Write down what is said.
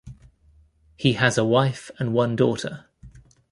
He has a wife and one daughter.